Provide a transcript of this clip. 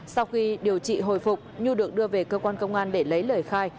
sau khi điều trị hồi phục nhu được đưa về cơ quan công an để lấy lời khai